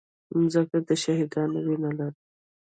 مځکه د شهیدانو وینه لري.